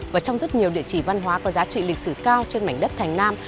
và trong rất nhiều địa chỉ văn hóa có giá trị lịch sử cao trên mảnh đất thành nam